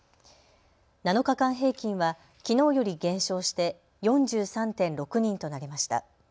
７日間平均は、きのうより減少して４３．６人となりました。